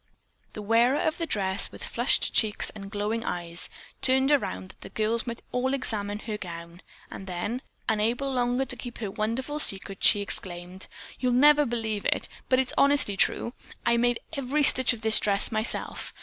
The wearer of the dress, with flushed cheeks and glowing eyes, turned around that the girls might all examine her gown, and then, unable longer to keep her wonderful secret, she exclaimed: "You'll never believe it, but it's honestly true. I made every stitch of this dress myself.